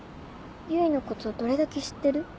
唯のことどれだけ知ってる？